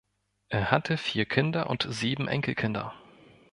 Er hatte vier Kinder und sieben Enkelkinder.